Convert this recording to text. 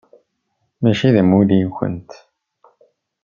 Mačči d amulli-nkent.